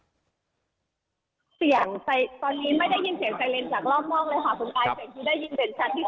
เสียงตอนนี้ไม่ได้ยินเสียงไซเรนจากรอบนอกเลยค่ะคุณกายเสียงที่ได้ยินเด่นชัดที่สุด